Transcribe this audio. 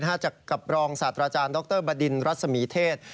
จากกับรองศาสตราจารย์ดรบดินรัศมีเทศ